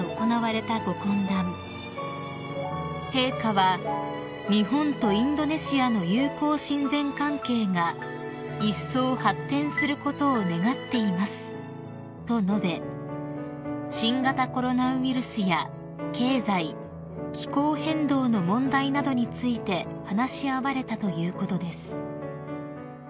［陛下は「日本とインドネシアの友好親善関係がいっそう発展することを願っています」と述べ新型コロナウイルスや経済気候変動の問題などについて話し合われたということです］